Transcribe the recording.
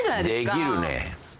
できるね。